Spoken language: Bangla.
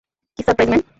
কি সারপ্রাইজ ম্যান!